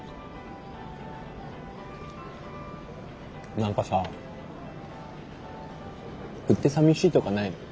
何かさ振ってさみしいとかないの？